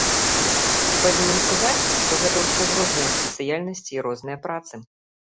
І павінен сказаць, што гэта ўсё ж розныя спецыяльнасці і розныя працы.